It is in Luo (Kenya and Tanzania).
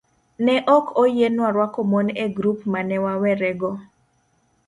Ne ok oyienwa rwako mon e grup ma ne wawerego.